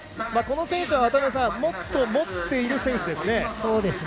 この選手は渡辺さん、もっと持っている選手ですね。